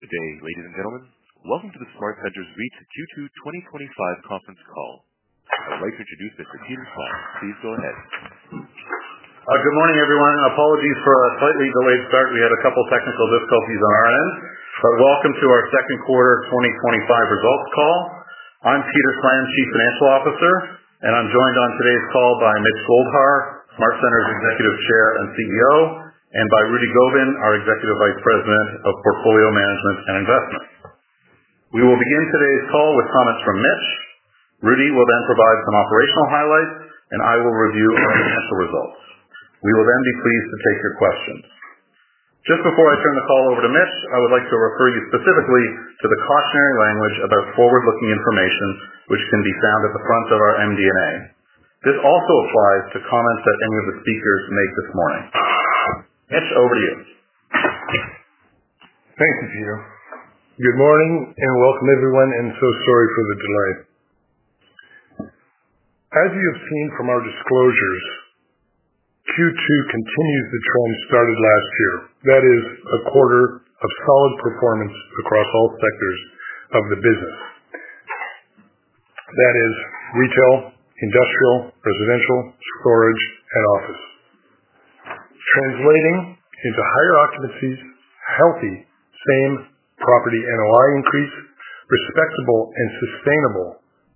Good evening, ladies and gentlemen. Welcome to the SmartCentres REIT Q2 2025 Conference Call. I would like to introduce Mr. Peter Slan. Please go ahead. Good morning, everyone. Apologies for a slightly delayed start. We had a couple of technical difficulties on our end. Welcome to our Second Quarter 2025 Results Call. I'm Peter Slan, Chief Financial Officer, and I'm joined on today's call by Mitchell Goldhar, SmartCentres Executive Chair and CEO, and by Rudy Gobin, our Executive Vice President of Portfolio Management and Investments. We will begin today's call with comments from Mitch. Rudy will then provide some operational highlights, and I will review the results. We will then be pleased to take your questions. Just before I turn the call over to Mitch, I would like to refer you specifically to the cautionary language about forward-looking information, which can be found at the front of our MD&A. This also applies to comments that any of the speakers made this morning. Mitch, over to you. Thank you, Peter. Good morning and welcome, everyone, and so sorry for the delay. As you have seen from our disclosures, Q2 continues the trend started last year. That is a quarter of solid performance across all sectors of the business. That is retail, industrial, residential, storage, and office, translating into higher occupancies, healthy same property NOI increase, respectable and sustainable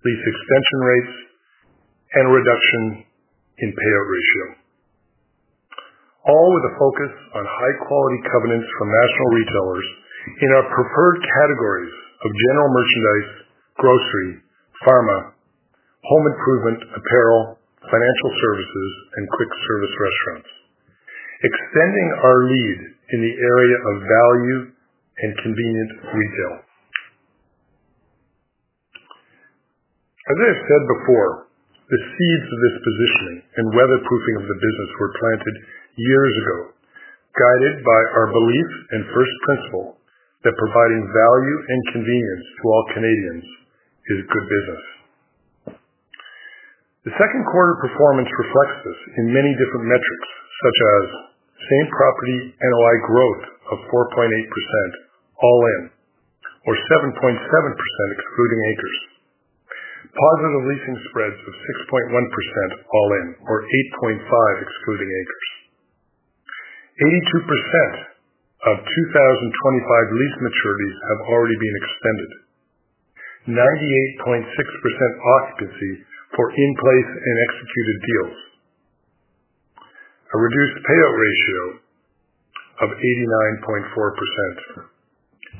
lease extension rates, and a reduction in payout ratio, all with a focus on high-quality covenants from national retailers in our preferred categories of general merchandise, grocery, pharma, home improvement, apparel, financial services, and quick service restaurants, extending our lead in the area of value and convenience retail. As I said before, the seeds of this positioning and weatherproofing of the business were planted years ago, guided by our belief and first principle that providing value and convenience to all Canadians is good business. The second quarter performance reflects this in many different metrics, such as same property and a lot of growth of 4.8% all in, or 7.7% excluding anchors, positive leasing spreads of 6.1% all in, or 8.5% excluding anchors, 82% of 2025 lease maturity have already been extended, 98.6% occupancy for in-place and executed deals, a reduced payout ratio of 89.4%,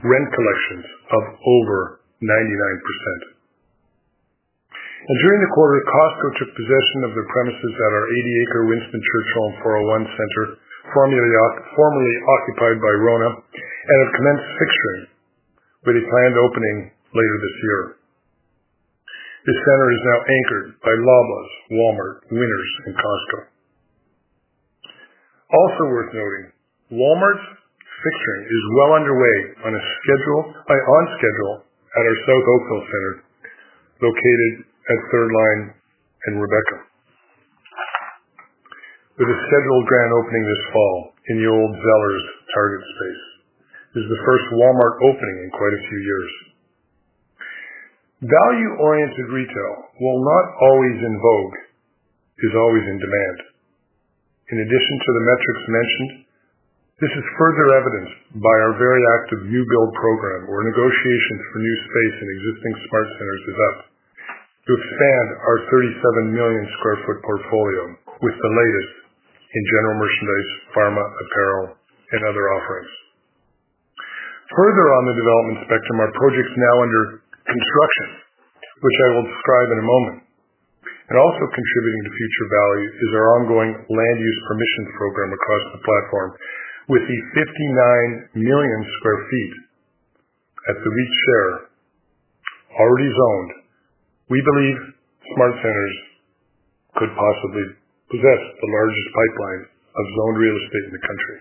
rent collections of over 99%. During the quarter, Costco took possession of their premises at our 80-acre Winston Churchill 401 Centre, formerly occupied by Rona, and have commenced fixturing with a planned opening later this year. The centre is now anchored by Loblaws, Walmart, Winners, and Costco. Also worth noting, Walmart's fixturing is well underway on schedule at our South Oak Hill Centre, located at Third Line and Rebecca, with a scheduled grand opening this fall in the old Zeller's Target space. This is the first Walmart opening in quite a few years. Value-oriented retail will not always invoke, is always in demand. In addition to the metrics mentioned, this is further evidenced by our very active new build program where negotiations for new space and existing SmartCentres are up to expand our 37 million square foot portfolio with the latest in general merchandise, pharma, apparel, and other offerings. Further on the development spectrum, our project is now under construction, which I will describe in a moment, and also contributing to future value is our ongoing land use permissions program across the platform. With the 59 million square feet at the REIT's share already zoned, we believe SmartCentres could possibly possess the largest pipeline of zoned real estate in the country.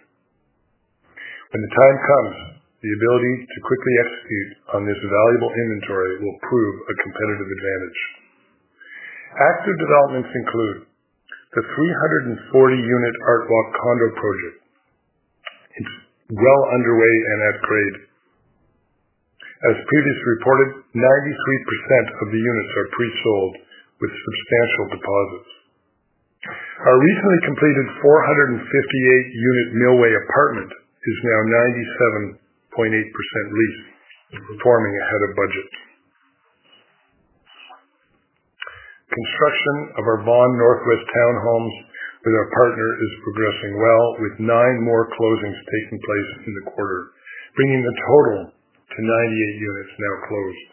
When the time comes, the ability to quickly execute on this valuable inventory will prove a competitive advantage. Active developments include the 340-unit ArtWalk condo project, well underway and at parade. As previously reported, 93% of the units are pre-sold with substantial deposits. Our recently completed 458-unit Millway apartment is now 97.8% leased, performing ahead of budget. Construction of our Vaughan Northwest townhomes with our partner is progressing well, with nine more closings taking place in the quarter, bringing the total to 98 units now closed.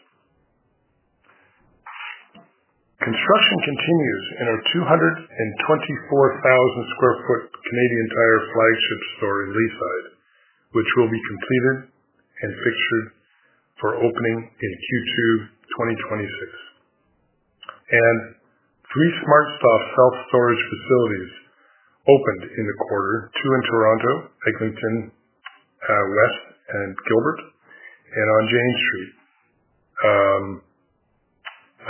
Construction continues in our 224,000 square foot Canadian Tire flagship store, which will be completed and fixtured for opening in Q2 2026. Three SmartStop self-storage facilities opened in the quarter, two in Toronto, Eglinton West, and Gilbert, and on Jane Street,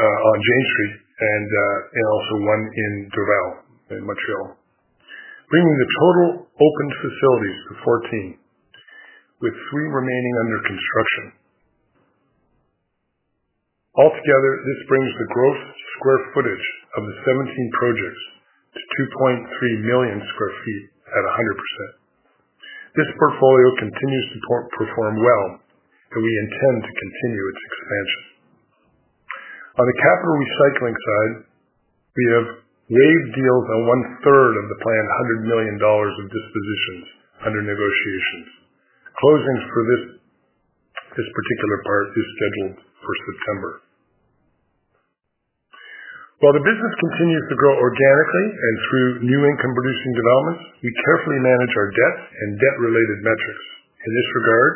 and also one in Dorval in Montreal, bringing the total open facilities to 14, with three remaining under construction. Altogether, this brings the gross square footage of the 17 projects to 2.3 million square feet at 100%. This portfolio continues to perform well, and we intend to continue its expansion. On the capital recycling side, we have deals on one-third of the planned 100 million dollars of dispositions under negotiations. Closings for this particular part are scheduled for September. While the business continues to grow organically and through new income-producing developments, we carefully manage our debt and debt-related metrics. In this regard,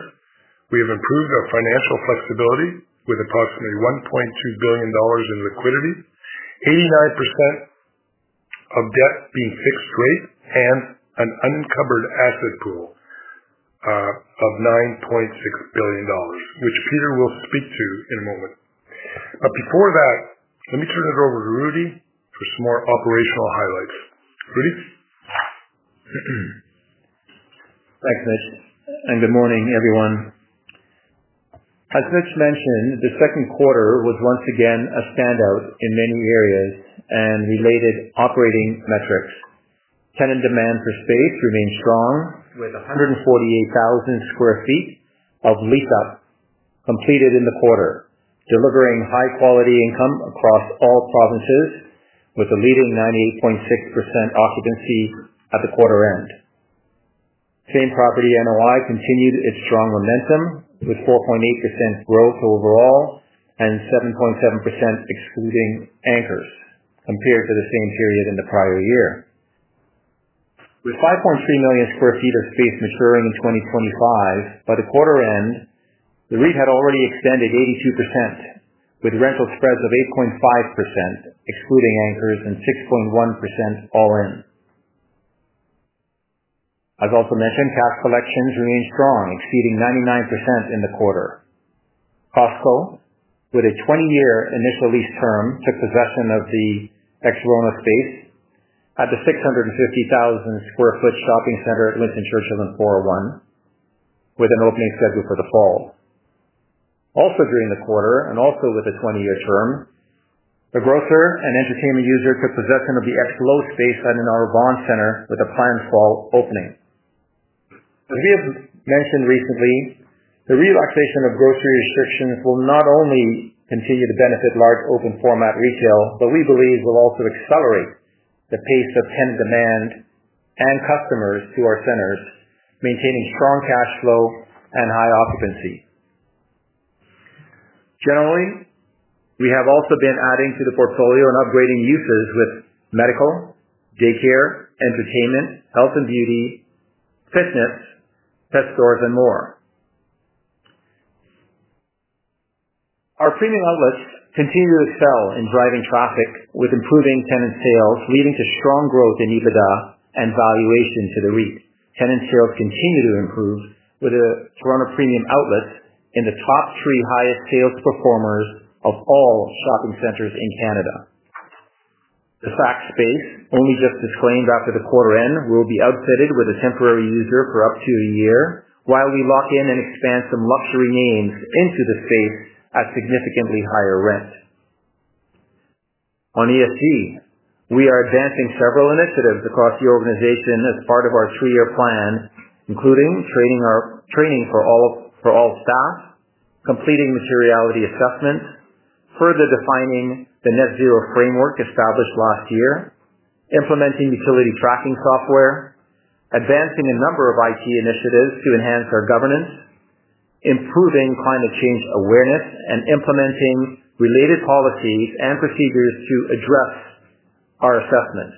we have improved our financial flexibility with approximately 1.2 billion dollars in liquidity, 89% of debt being fixed rates, and an unencumbered asset pool of 9.6 billion dollars, which Peter will speak to in a moment. Before that, let me turn it over to Rudy for some more operational highlights. Rudy? Excellent. Good morning, everyone. As Mitch mentioned, the second quarter was once again a standout in many areas and related operating metrics. Tenant demand for space remains strong, with 148,000 square feet of lease up completed in the quarter, delivering high-quality income across all provinces, with a leading 98.6% occupancy at the quarter end. Same property NOI continued its strong momentum, with 4.8% growth overall and 7.7% excluding anchors compared to the same period in the prior year. With 5.3 million square feet of space occurring in 2025, by the quarter end, the REIT had already extended 82%, with rental spreads of 8.5% excluding anchors and 6.1% all in. Cash collections remain strong, exceeding 99% in the quarter. Costco, with a 20-year initial lease term, took possession of the ex-Rona space at the 650,000 square foot shopping center at Winston Churchill 401, with an opening scheduled for the fall. Also during the quarter, and also with a 20-year term, a grocer and entertainment user took possession of the ex-Lowe space at another Vaughan center with a prior fall opening. As we have mentioned recently, the relaxation of grocery restrictions will not only continue to benefit large open format retail, but we believe will also accelerate the pace of tenant demand and customers to our centers, maintaining strong cash flow and high occupancy. Generally, we have also been adding to the portfolio and upgrading users with medical, daycare, entertainment, health and beauty, fitness, test scores, and more. Our premium outlets continue to excel in driving traffic, with improving tenant sales leading to strong growth in EBITDA and valuation to the REIT. Tenant sales continue to improve with the Toronto Premium Outlets in the top three highest sales performers of all shopping centers in Canada. The track space, only just disclaimed after the quarter end, will be outfitted with a temporary user for up to a year while we lock in and expand some luxury names into the space at significantly higher rent. On ESG, we are advancing several initiatives across the organization as part of our three-year plan, including training for all staff, completing materiality assessment, further defining the net zero framework established last year, implementing utility tracking software, advancing a number of IT initiatives to enhance our governance, improving climate change awareness, and implementing related policies and procedures to address our assessments.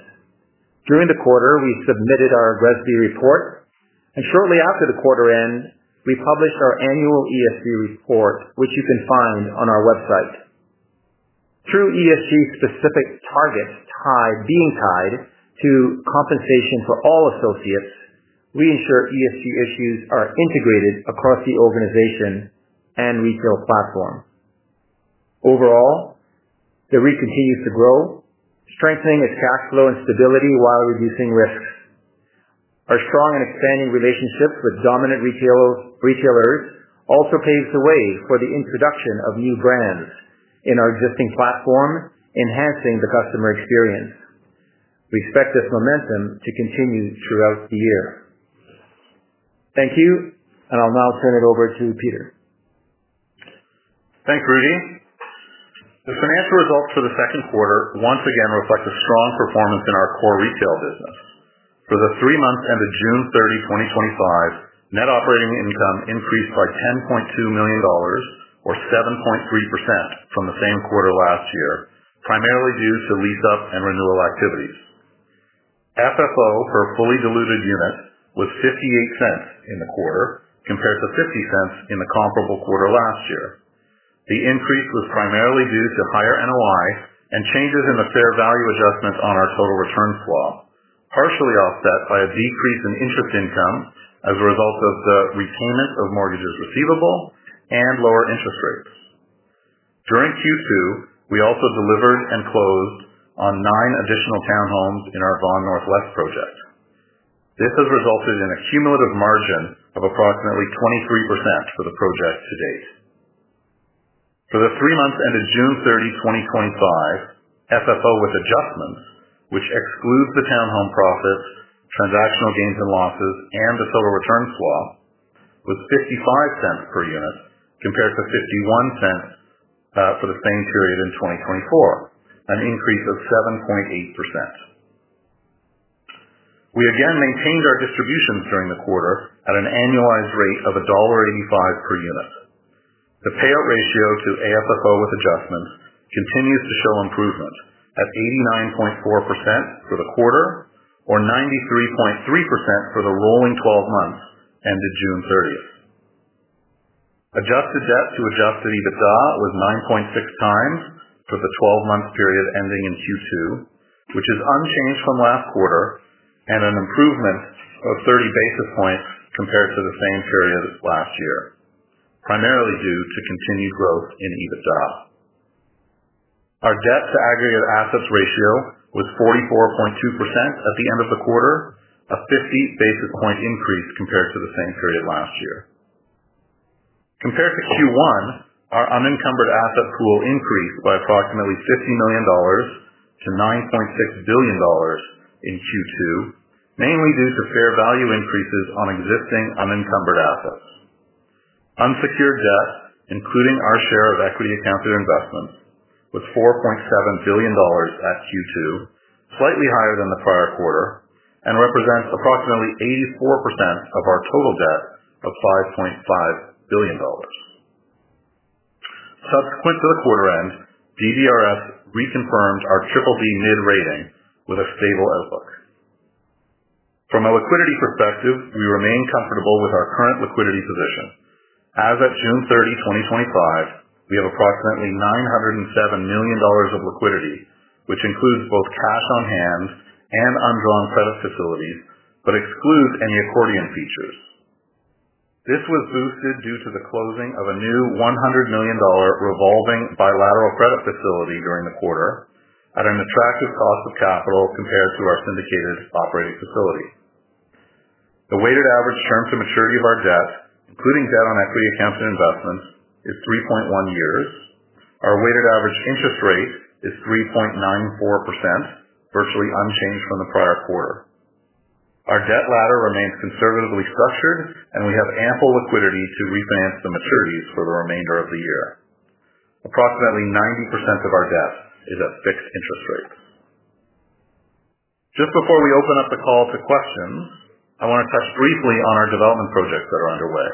During the quarter, we submitted our GRESB reports, and shortly after the quarter end, we published our annual ESG report, which you can find on our website. Through ESG-specific targets being tied to compensation for all associates, we ensure ESG issues are integrated across the organization and retail platform. Overall, the REIT continues to grow, strengthening its cash flow and stability while reducing risks. Our strong and expanding relationships with dominant retailers also pave the way for the introduction of new brands in our existing platform, enhancing the customer experience. We expect this momentum to continue throughout the year. Thank you, and I'll now turn it over to Peter. Thank you, Rudy. The financial results for the second quarter once again reflect a strong performance in our core retail business. For the three months ended June 30, 2025, net operating income increased by 10.2 million dollars, or 7.3% from the same quarter last year, primarily due to lease up and renewal activities. FFO per fully diluted unit was 0.58 in the quarter compared to 0.50 in the comparable quarter last year. The increase was primarily due to higher NOI and changes in the fair value adjustment on our total returns flow, partially offset by a decrease in interest income as a result of the repayment of mortgages receivable and lower interest rates. During Q2, we also delivered and closed on nine additional townhomes in our Vaughan Northwest project. This has resulted in a cumulative margin of approximately 23% for the projects to date. For the three months ended June 30, 2025, FFO with adjustments, which excludes the townhome profits, transactional gains and losses, and the total returns flow, was 0.55 per unit compared to 0.51 for the same period in 2024, an increase of 7.8%. We again maintained our distribution during the quarter at an annualized rate of dollar 1.85 per unit. The payout ratio to AFFO with adjustments continues to show improvement at 89.4% for the quarter, or 93.3% for the rolling 12 months ended June 30th. Adjusted debt to adjusted EBITDA was 9.6x the 12-month period ending in Q2, which is unchanged from last quarter, and an improvement of 30 basis points compared to the same period as last year, primarily due to continued growth in EBITDA. Our debt to aggregate assets ratio was 44.2% at the end of the quarter, a 50 basis point increase compared to the same period last year. Compared to Q1, our unencumbered assets will increase by approximately 50 million dollars to 9.6 billion dollars in Q2, mainly due to fair value increases on existing unencumbered assets. Unsecured debt, including our share of equity accounted investments, was 4.7 billion dollars at Q2, slightly higher than the prior quarter, and represents approximately 84% of our total debt of 5.5 billion. Subsequent to the quarter end, DBRS reconfirmed our triple B mid-rating with a stable outlook. From a liquidity perspective, we remain comfortable with our current liquidity position. As at June 30, 2025, we have approximately 907 million dollars of liquidity, which includes both cash on hand and undrawn credit facilities, but excludes any accordion features. This was boosted due to the closing of a new 100 million dollar revolving bilateral credit facility during the quarter at an attractive cost of capital compared to our syndicated operating facility. The weighted average term for maturity of our debt, including debt on equity accounts and investments, is 3.1 years. Our weighted average interest rate is 3.94%, virtually unchanged from the prior quarter. Our debt ladder remains conservatively structured, and we have ample liquidity to refinance the maturities for the remainder of the year. Approximately 90% of our debt is at fixed interest rates. Just before we open up the call to questions, I want to touch briefly on our development projects that are underway.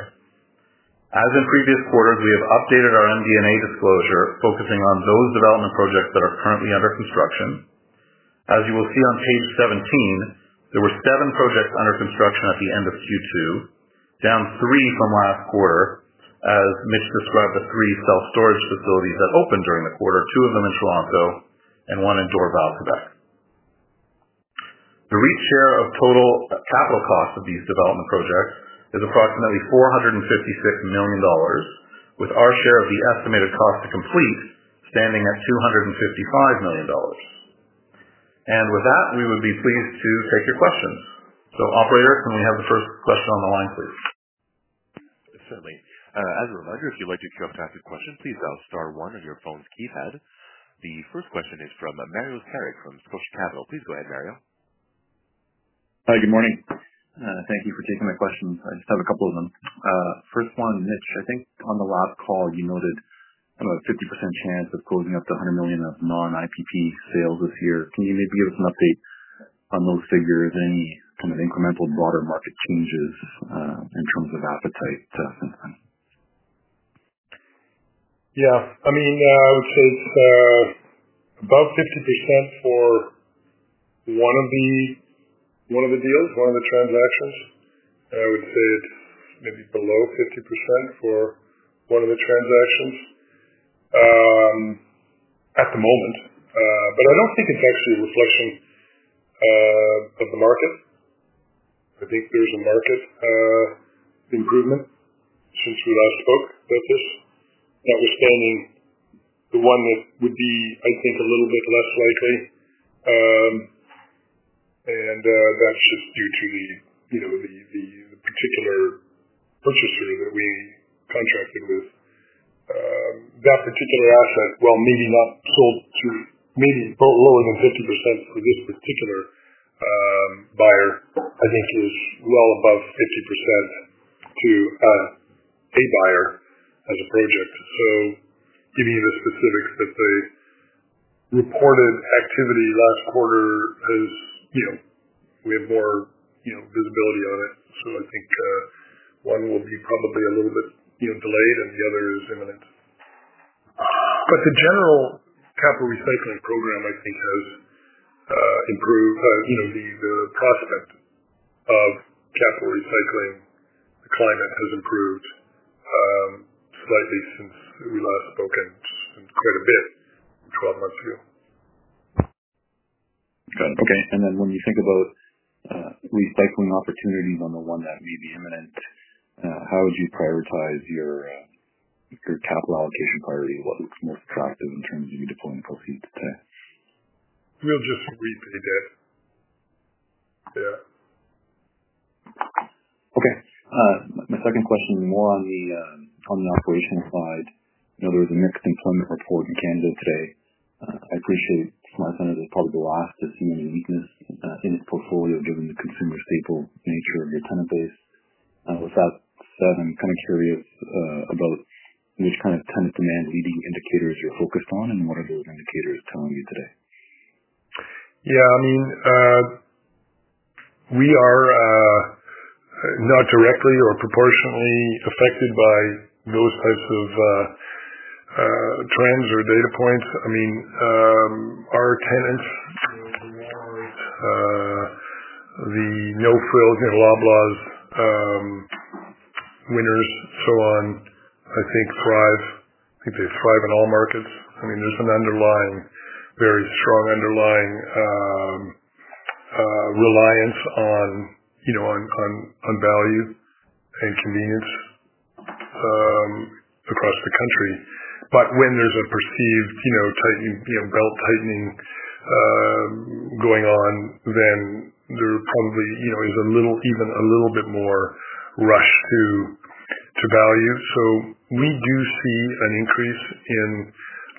As in previous quarters, we have updated our MD&A disclosure, focusing on those development projects that are currently under construction. As you will see on page 17, there were seven projects under construction at the end of Q2, down three from last quarter, as Mitch described the three self-storage facilities that opened during the quarter, two of them in Toronto and one in Dorval today. The REIT share of total capital costs of these development projects is approximately 456 million dollars, with our share of the estimated cost to complete standing at 255 million dollars. With that, we would be pleased to take your questions. Operator, can we have the first question on the line, please? Certainly. As a reminder, if you'd like to interrupt us with questions, please dial star one on your phone's keypad. The first question is from Mario Saric from Scotiabank. Please go ahead, Mario. Hi, good morning. Thank you for taking my questions. I just have a couple of them. First one, Mitch, I think on the last call you noted about a 50% chance of closing up to 100 million of non-ITP sales this year. Can you maybe give us an update on those figures and any kind of incremental broader market changes in terms of appetite since then? Yeah, I mean, I would say it's above 50% for one of the deals, one of the transactions. I would say it's maybe below 50% for one of the transactions at the moment. I don't think it's actually a reflection of the market. I think there's a market improvement since we last talked about this, outstanding the one that would be, I think, a little bit less likely. That's just due to the particular purchaser that we are contracting with. That particular asset, while maybe not sold to maybe lower than 50% for this particular buyer, I think it was well above 50% to a buyer as a project. You mean the specifics that say reported activity last quarter has, you know, we have more, you know, visibility on it. I think one will be probably a little bit delayed and the other is imminent. The general capital recycling program, I think, has improved. The prospect of capital recycling, the climate has improved slightly since we last spoken quite a bit. It's a lot of months ago. Got it. Okay. When you think about recycling opportunities on the one that may be imminent, how would you prioritize your capital allocation priority? What's most attractive in terms of your deploying proceeds today? We'll repeat it. Okay. My second question, more on the operational side. You know, we have a mixed consensus report in Canada today. I appreciate SmartCentres as probably the last to see any weakness in this portfolio given the consumer stable nature of the accountables. I was asked, and I'm kind of curious about what kind of ton of demand leading indicators you're focused on and whatever indicators telling you today. Yeah, I mean, we are not directly or proportionately affected by those types of trends or data points. Our tenants, the No Frills and Loblaws, Winners, so on, I think thrive. I think they thrive in all markets. There's a very strong underlying reliance on values and convenience across the country. When there's a perceived belt tightening going on, there probably is even a little bit more rush to value. We do see an increase in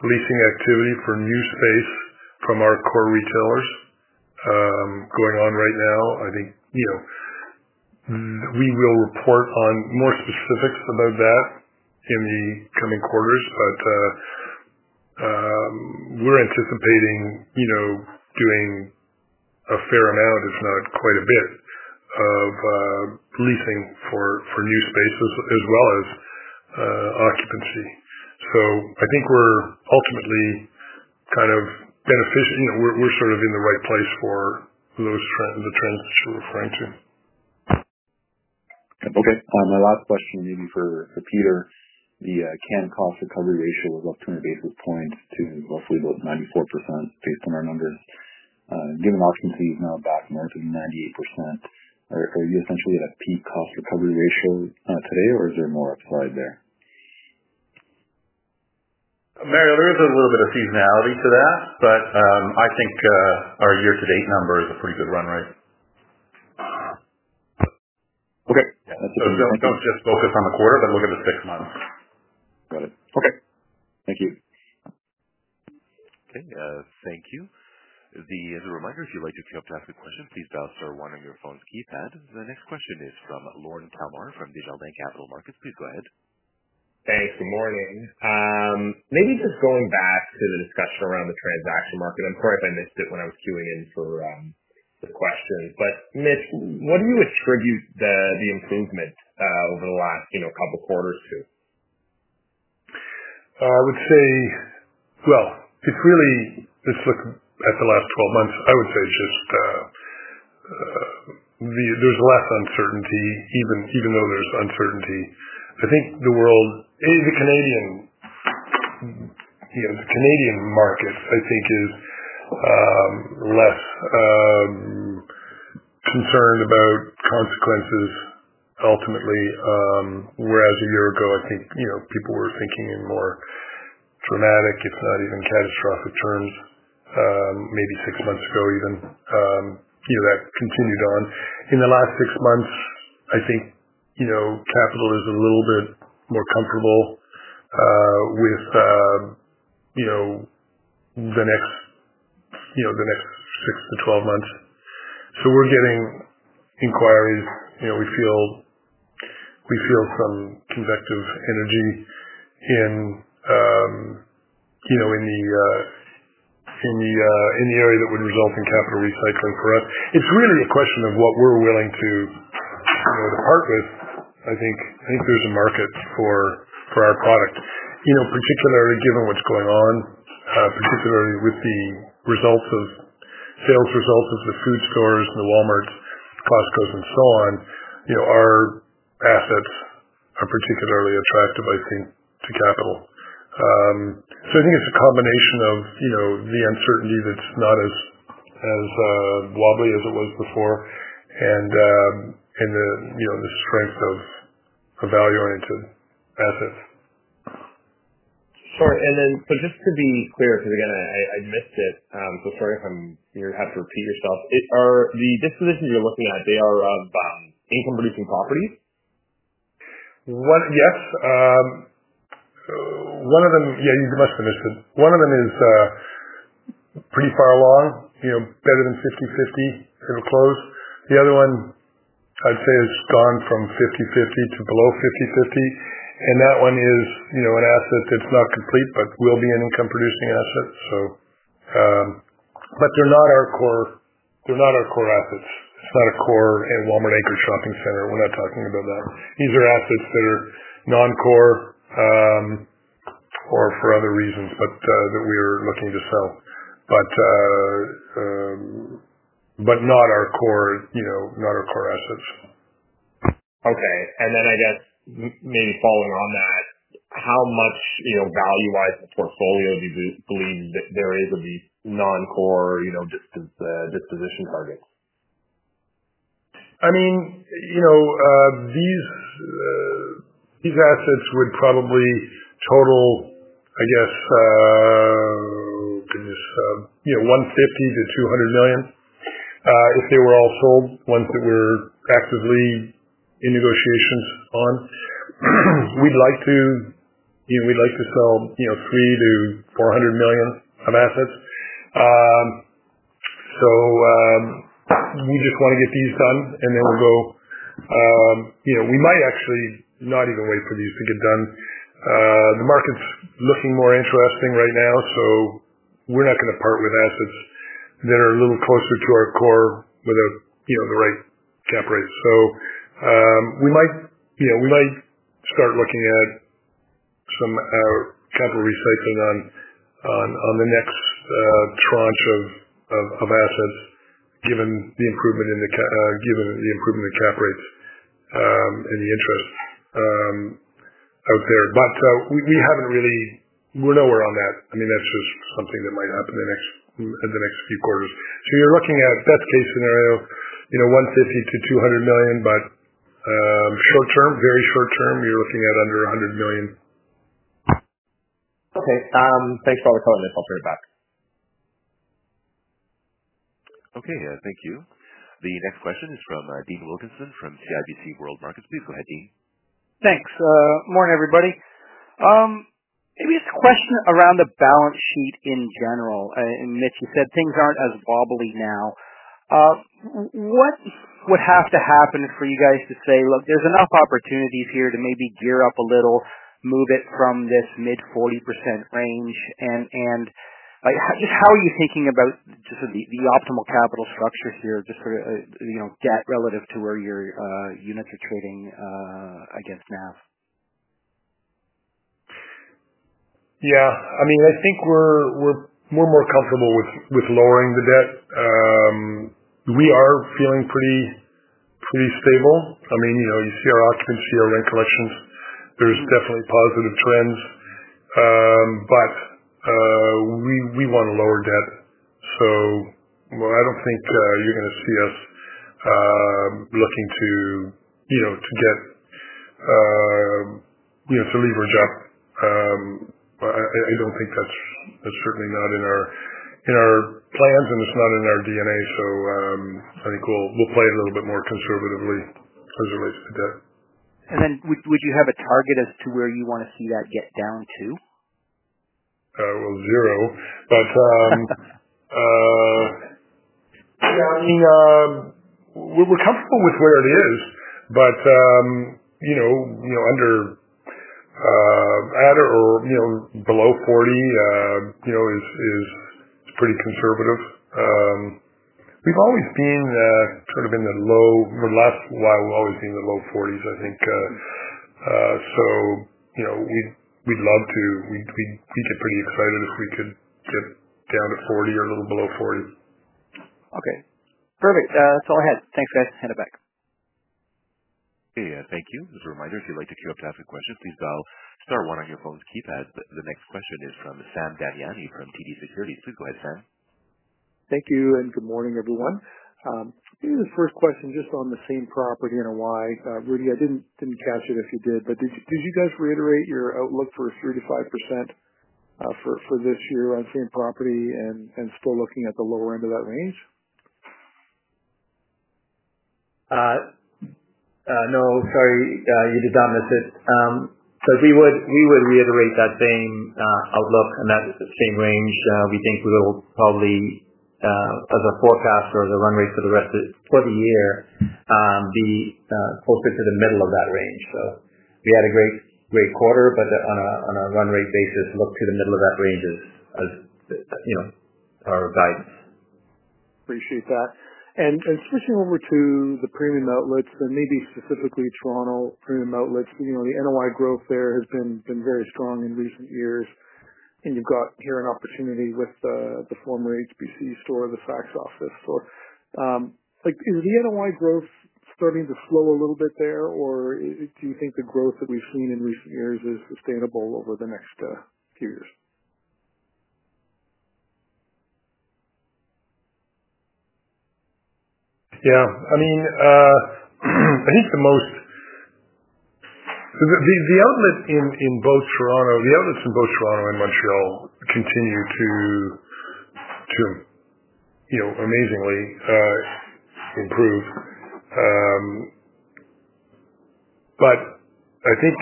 leasing activity for new space from our core retailers going on right now. We will report on more specifics about that in the coming quarters, but we're anticipating doing a fair amount, if not quite a bit, of leasing for new spaces as well as occupancy. I think we're ultimately kind of benefiting. We're sort of in the right place for those trends, the trends that you're referring to. Okay. My last question may be for Peter. The CAM cost recovery ratio was up 200 basis points to roughly about 94% based on our number. New occupancy is now back to marking 98%. Are you essentially at a peak cost recovery ratio today, or is there more upside there? Mario, there is a little bit of seasonality to that, but I think our year-to-date number is a pretty good one, right? Okay. Don't just focus on the quarter, but look at the six months. Got it. Okay. Thank you. As a reminder, if you'd like to jump back to questions, please dial star one on your phone's keypad. The next question is from Lorne Kalmar from Desjardins Capital Markets. Please go ahead. Thanks. Good morning. Maybe just going back to the discussion around the transaction market. I'm sorry if I missed it when I was queuing in for the questions. Mitch, what do you attribute the improvement over the last, you know, couple of quarters to? I would say it's really, just looking at the last 12 months, I would say there's less uncertainty, even though there's uncertainty. I think the world, any of the Canadian, you know, the Canadian markets, I think, is less concerned about consequences ultimately. Whereas a year ago, I think people were thinking in more dramatic, if not even catastrophic terms. Maybe six months ago, even, that's continued on. In the last six months, I think capital is a little bit more comfortable with the next 6-12 months. We're getting inquiries. We feel some convective energy in the area that would result in capital recycling for us. It's really a question of what we're willing to harvest. I think there's a market for our product, particularly given what's going on, particularly with the results of sales results of the food stores and the Walmarts, Costcos, and so on. Our assets are particularly attractive, I think, to capital. I think it's a combination of the uncertainty, which is not as wobbly as it was before, and the strength of value-oriented assets. Sorry, just to be clear, because I missed it. I'm sorry if you have to repeat yourself. Are the dispositions you're looking at, they are of income-producing properties? Yes. One of them, yeah, you must have missed it. One of them is pretty far along, you know, better than 50/50 in the close. The other one, I'd say, has gone from 50/50 to below 50/50. That one is an asset that's not complete, but will be an income-producing asset. They're not our core, they're not our core assets. It's not a core Walmart Anchor Shopping Center. We're not talking about that. These are assets that are non-core, or for other reasons, that we are looking to sell, but not our core, you know, not our core assets. Okay. I guess maybe following on that, how much, you know, value-wise the portfolio do you believe that there is of these non-core, you know, disposition targets? I mean, these assets would probably total, I guess, 150 million-200 million if they were all sold once we are actively in negotiations on. We'd like to sell 300 million-400 million of assets. We just want to get these done, and then we might actually not even wait for these to get done. The market's looking more interesting right now, so we're not going to part with assets that are a little closer to our core without the right cap rates. We might start looking at some capital recycling on the next tranche of assets, given the improvement in cap rates and the interest out there. We haven't really, we're nowhere on that. I mean, that's just something that might happen in the next few quarters. You're looking at, best case scenario, 150 million-200 million, but short term, very short term, you're looking at under 100 million. Okay, thanks for all the time. I'll be right back. Thank you. The next question is from Dean Wilkinson from CIBC World Markets. Please go ahead, Dean. Thanks. Morning, everybody. This will be a question around the balance sheet in general. Mitch, you said things aren't as wobbly now. What would have to happen for you guys to say, "Look, there's enough opportunities here to maybe gear up a little, move it from this mid-40% range?" How are you thinking about just the optimal capital structures here, just for, you know, debt relative to where your units are trading, I guess, now? Yeah. I mean, I think we're more and more comfortable with lowering the debt. We are feeling pretty stable. I mean, you know, you see our occupancy, our rent collections. There's definitely positive trends, but we want to lower debt. I don't think you're going to see us looking to, you know, leverage up. I don't think that's certainly not in our plans, and it's not in our DNA. I think we'll play it a little bit more conservatively as it relates to debt. Do you have a target as to where you want to see that get down to? We're comfortable with where it is. You know, under, at or below 40% is pretty conservative. We've always been in the low 40s, I think. We'd get pretty excited if we could get down to 40% or a little below 40%. Okay. Perfect. That's all I had. Thanks, guys. I'll head back. Okay. Thank you. As a reminder, if you'd like to jump back to ask a question, please dial star one on your phone's keypad. The next question is from Sam Damiani from TD Securities. Please go ahead, Sam. Thank you, and good morning, everyone. Maybe the first question just on the same property and a lot. Rudy, I didn't catch it if you did, but did you guys reiterate your outlook for 3%-5% for this year on same property and still looking at the lower end of that range? No, sorry, you did not miss it. We would reiterate that same outlook, and that is the same range. We think we will probably, as a forecast for the run rate for the rest of the year, be closer to the middle of that range. We had a great quarter, but on a run rate basis, look to the middle of that range as our guidance. Appreciate that. Switching over to the premium outlets, and maybe specifically Toronto Premium Outlets, the NOI growth there has been very strong in recent years. You've got here an opportunity with the former HBC store, the Saks OFF 5th store. Is the NOI growth starting to slow a little bit there, or do you think the growth that we've seen in recent years is sustainable over the next few years? Yeah. I mean, I think the outlets in both Toronto and Montreal continue to, you know, amazingly, to improve. I think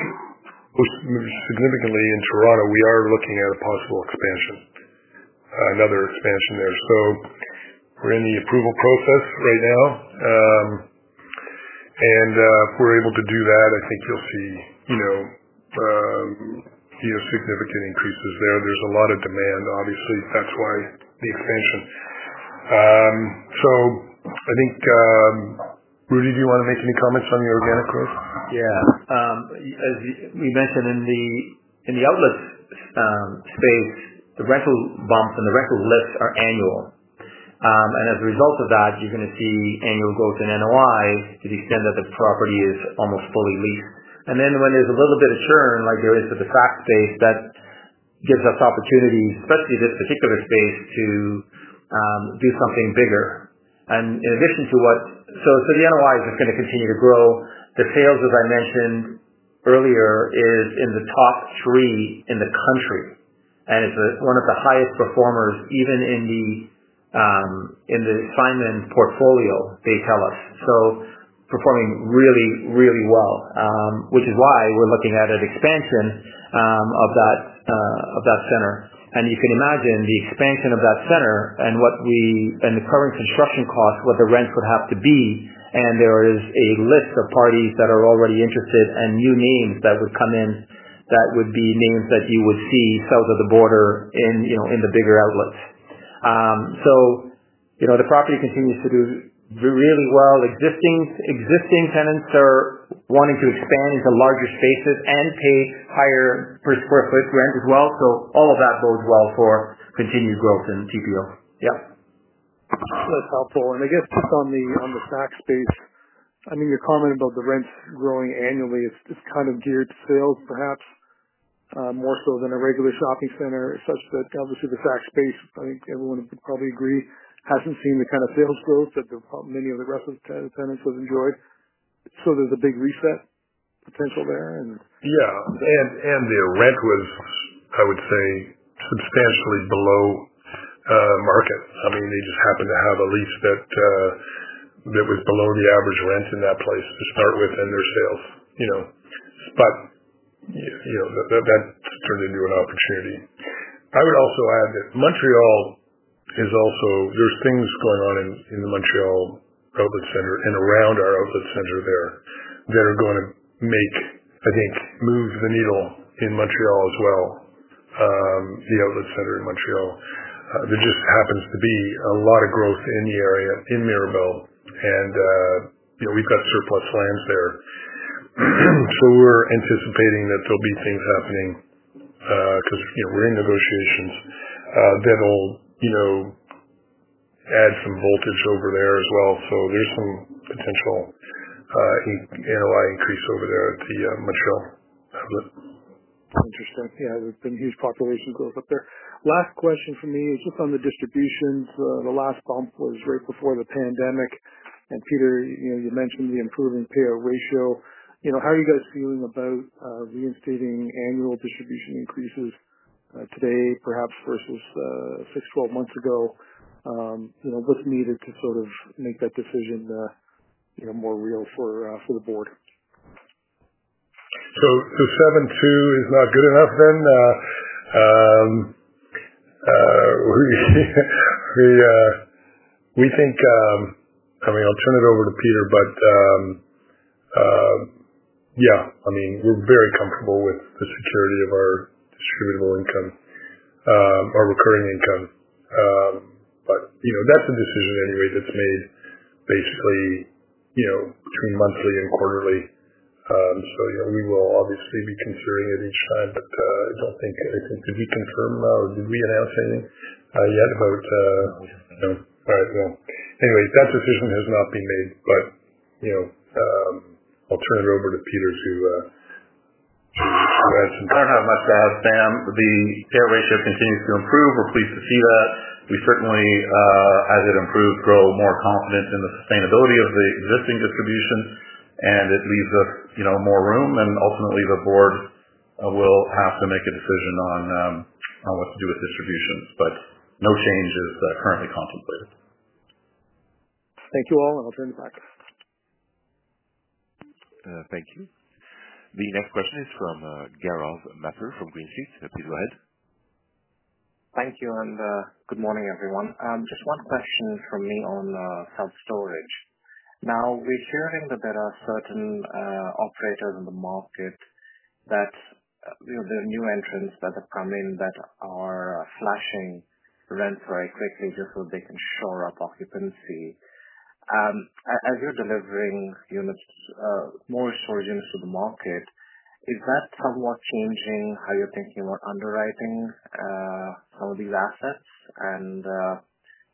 what's moved significantly in Toronto, we are looking at a possible expansion, another expansion there. We're in the approval process right now, and if we're able to do that, I think you'll see, you know, see a significant increase there. There's a lot of demand, obviously. That's why the expansions. I think, Rudy, do you want to make any comments on the organic list? Yeah. As you mentioned in the outlets space, the rental bumps and the rental lifts are annual, and as a result of that, you're going to see annual growth in NOIs to the extent that the property is almost fully leased. When there's a little bit of churn, like there is with the Saks space, that gives us opportunities, especially this particular space, to do something bigger. In addition to what, the NOI is just going to continue to grow. The sales, as I mentioned earlier, are in the top three in the country, and it's one of the highest performers, even in the Simon's portfolio, they tell us. Performing really, really well, which is why we're looking at an expansion of that center. You can imagine the expansion of that center and with the current construction costs, what the rent would have to be. There is a list of parties that are already interested and new names that would come in that would be names that you would see south of the border in the bigger outlets. The property continues to do really well. Existing tenants are wanting to expand into larger spaces and pay higher per square foot rent as well. All of that bodes well for continued growth in TPO. Yeah. Sure, that's helpful. I guess just on the Sax space, your comment about the rent growing annually is just kind of geared to sales, perhaps more so than a regular shopping center. It's just that obviously the Sax space, I think everyone would probably agree, hasn't seen the kind of sales growth that many of the rest of the tenants would enjoy. There's a big reset potential there. Yeah, their rent was, I would say, substantially below market. I mean, they just happened to have a lease that was below the average rent in that place to start with in their sales, you know. That's certainly new and opportunity. I would also add that Montreal is also, there's things going on in the Montreal outlet center and around our outlet center there. They're going to make, I think, move the needle in Montreal as well. The outlet center in Montreal, there just happens to be a lot of growth in the area in Mirabel. We've got surplus land there. We're anticipating that there'll be things happening, because we're in negotiations. That'll add some voltage over there as well. There's some potential NOI increase over there. I'll go up there. Last question for me is just on the distributions. The last bump was right before the pandemic. Peter, you mentioned the improving payout ratio. How are you guys feeling about reinstating annual distribution increases today, perhaps versus 6 or 12 months ago? What's needed to sort of make that decision more real for the board? [7/2] is not good enough then. I mean, I'll turn it over to Peter, but, yeah, I mean, we're very comfortable with the severity of our disposable income, or recurring income. You know, that's a decision anyway that's made basically, you know, monthly and quarterly. We will obviously be considering it each time. I don't think, did we confirm, re-announcing yet about, you know, no. Anyway, that decision has not been made, but, you know, I'll turn it over to Peter to add some. I don't have much to add, Sam. The payout ratio continues to improve. We're pleased to see that. We certainly, as it improves, grow more confident in the sustainability of the existing distribution. It leaves us more room. Ultimately, the board will have to make a decision on what to do with distributions. No change is currently contemplated. Thank you all, I'll turn it back. Thank you. The next question is from Gaurav Maurav from Green Street. Please go ahead. Thank you, and good morning, everyone. Just one question from me on self-storage. We're hearing that there are certain operators in the market, you know, the new entrants that have come in that are slashing rents very quickly just so they can shore up occupancy. As you're delivering more store units to the market, is that somewhat changing how you're thinking about underwriting some of these assets?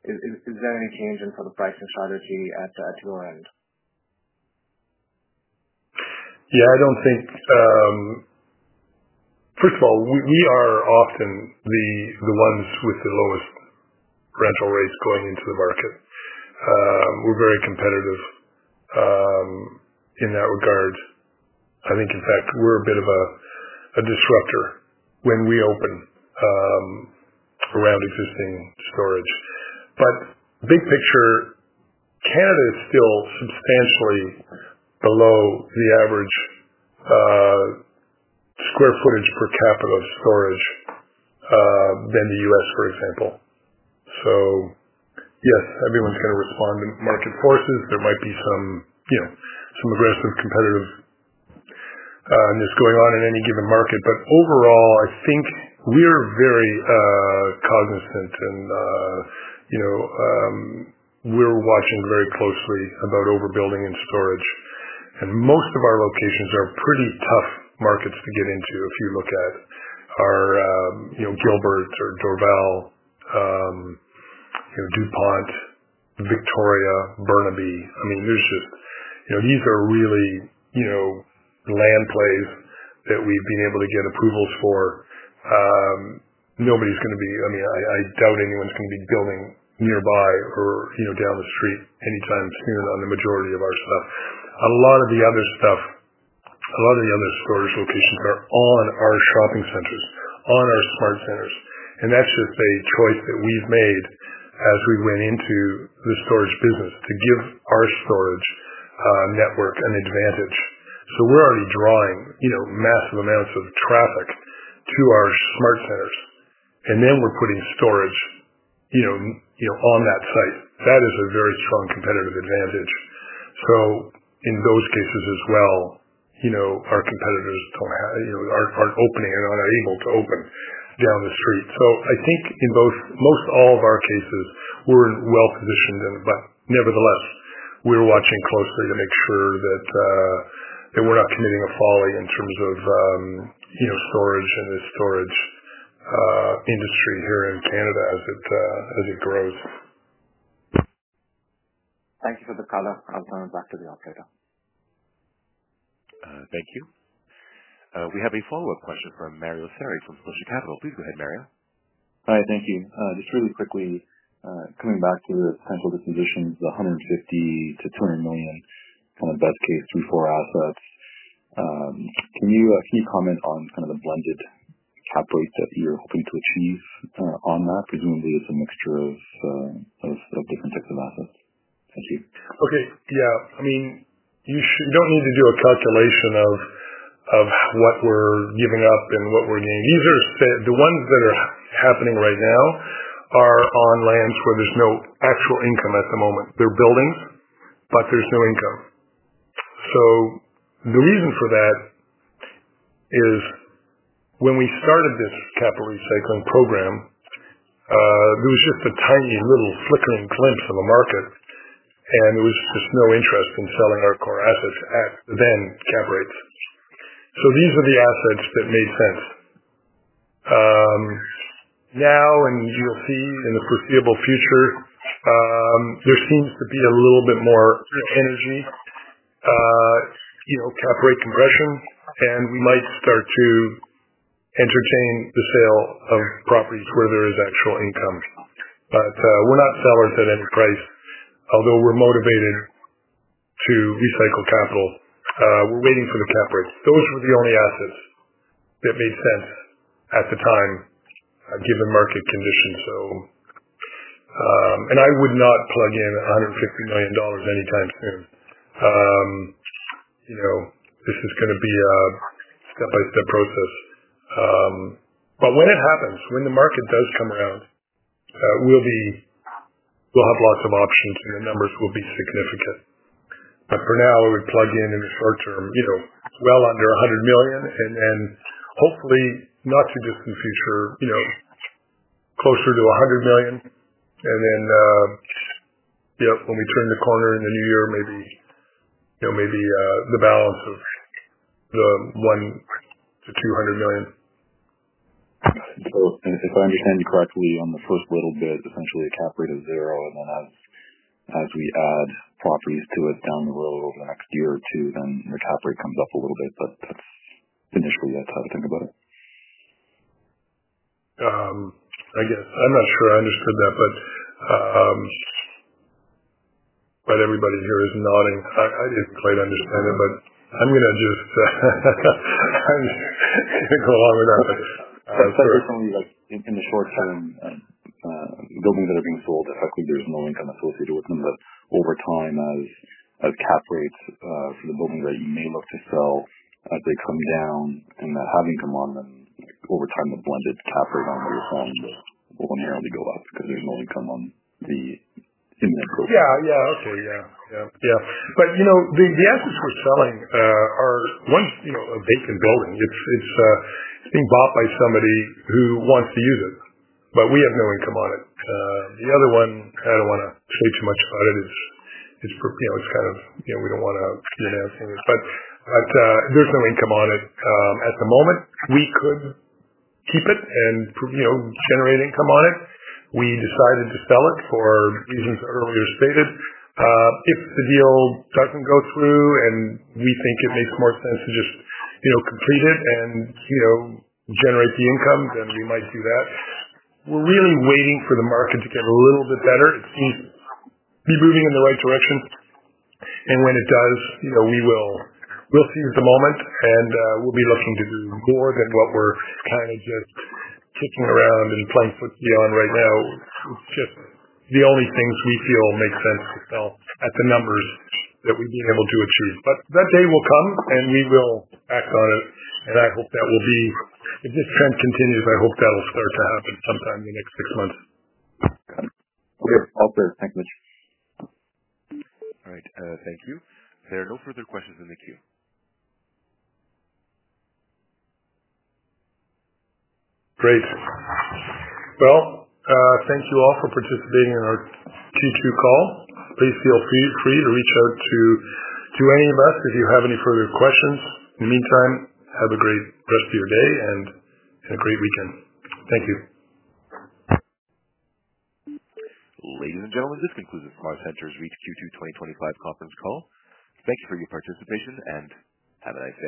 Is there any change in the pricing strategy at your end? Yeah, I don't think, first of all, we are often the ones with the lowest rental rates going into the market. We're very competitive in that regard. I think, in fact, we're a bit of a disruptor when we open, around existing storage. The big picture, Canada is still substantially below the average square footage per capita of storage than the U.S., for example. Yes, everyone's going to respond to market forces. There might be some aggressive competitiveness going on in any given market. Overall, I think we're very cognizant and we're watching very closely about overbuilding in storage. Most of our locations are pretty tough markets to get into if you look at our Gilbert's or Dorval, Dupont, Victoria, Burnaby. These are really land plays that we've been able to get approvals for. Nobody's going to be, I mean, I doubt anyone's going to be building nearby or down the street anytime soon on the majority of our stuff. A lot of the other storage locations are on our shopping centers, on our SmartCentres. That's just a choice that we've made as we went into the storage business to give our storage network an advantage. We're already drawing massive amounts of traffic to our SmartCentres, and then we're putting storage on that site. That is a very strong competitive advantage. In those cases as well, our competitors don't have, are opening and are unable to open down the street. I think in both, most all of our cases, we're well-positioned in it. Nevertheless, we're watching closely to make sure that we're not committing a folly in terms of storage in the storage industry here in Canada as it grows. Thank you for the call. I'll turn it back to the operator. Thank you. We have a follow-up question from Mario Saric from Scotiabank. Please go ahead, Mario. Hi, thank you. Just really quickly, coming back to the central disposition, the 150 millio-CAD 200 million kind of that KC4 asset. Can you comment on the blended approach that you're hoping to achieve on that? Presumably it's a mixture of different types of assets? Okay. You don't need to do a calculation of what we're giving up and what we're getting. These are the ones that are happening right now on lands where there's no actual income at the moment. They're building, but there's no income. The reason for that is when we started this capital recycling program, there was just a tiny little flickering glimpse of a market. There was just no interest in selling our core assets at then cap rates. These are the assets that made sense. Now, you'll see in the foreseeable future, there seems to be a little bit more energy, you know, cap rate compression and might start to entertain the sale of properties where there is actual income. We're not sellers at any price, although we're motivated to recycle capital. We're waiting for the cap rates. Those were the only assets that made sense at the time, given market conditions. I would not plug in CAD 150 million anytime soon. This is going to be a step-by-step process. When it happens, when the market does turn around, we'll have lots of options and the numbers will be significant. For now, I would plug in in the short term, well under 100 million and then hopefully not too distant future, closer to 100 million. When we turn the corner in the new year, maybe the balance of the 100 million-200 million. If I understand you correctly, on the first little bit, it's essentially a cap rate of zero. As we add properties to it down the road over the next year or two, then your cap rate comes up a little bit. That's initially how I think about it. I'm not sure I understood that, but everybody here is nodding. I just try to understand it, but I'm going to just go on without. I guess in the short term, buildings that are being sold, I think there's no income associated with them. Over time, as cap rates for the buildings that you may look to sell come down, you have to monitor over time a blended cap is on where you're planning to go up because there's no income in that program. Yeah, yeah. Okay. Yeah. Yeah. The assets we're selling are ones, you know, a vacant building. It's being bought by somebody who wants to use it. We have no income on it. The other one, I don't want to say too much about it. It's kind of, you know, we don't want to be an asshole in this, but there's no income on it. At the moment, we could keep it and generate income on it. We decided to sell it for reasons earlier stated. If the deal doesn't go through and we think it makes more sense to just complete it and generate the income, then we might do that. We're really waiting for the market to get a little bit better. It seems to be moving in the right direction. When it does, we will seize the moment and we'll be looking to do more than what we're kind of just kicking around and playing footgear on right now. It's just the only things we feel make sense to sell at the numbers that we've been able to achieve. That day will come and we will act on it. I hope that will be, if this trend continues, I hope that'll start to happen sometime in the next six months. Okay. All clear. Thank you, Mitch. All right. Thank you. If there are no further questions in the queue. Great. Thank you all for participating in our Q2 calls. Please feel free to reach out to any of us if you have any further questions. In the meantime, have a great rest of your day and a great weekend. Thank you. Ladies and gentlemen, this concludes the SmartCentres REIT Q2 2025 conference call. Thank you for your participation and have a nice day.